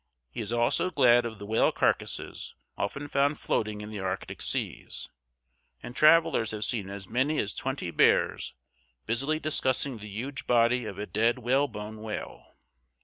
He is also glad of the whale carcasses often found floating in the Arctic seas, and travelers have seen as many as twenty bears busily discussing the huge body of a dead whalebone whale.